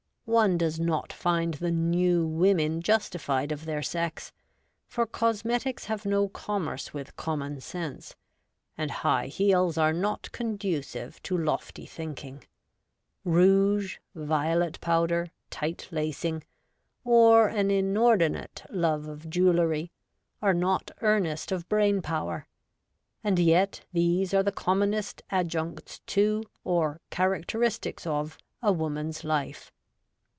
One does not find the New Women justified of their sex, for cosmetics have no commerce with common sense, and high heels are not conducive to lofty thinking ; rouge, violet powder, tight lacing, or an inordinate love of jewellery, are not earnest of brain power ; and yet these are the commonest adjuncts to, or characteristics of, a woman's life.